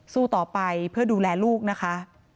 สู้ต่อไปเพื่อดูแลลูกนะคะ